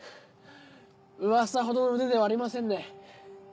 噂ほどの腕ではありませんね。